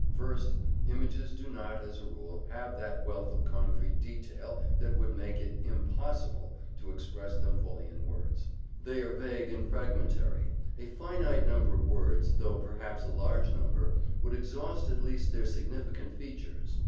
First, images do not, as a rule, have that wealth of concrete detail that would make it IMPOSSIBLE to express them fully in words. They are vague and fragmentary: a finite number of words, though perhaps a large number, would exhaust at least their SIGNIFICANT features.